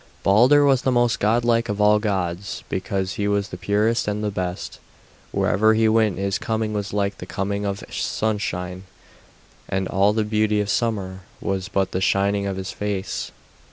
Balder was the most godlike of all the gods, because he was the purest and the best. Wherever he went his coming was like the coming of sunshine, and all the beauty of summer was but the shining of his face.